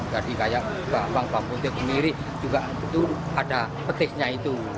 jadi kayak bapak bapak pun dia pemilik juga itu ada petisnya itu